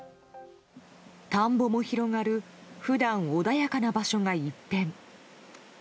田んぼも広がる普段、穏やかな場所が一変。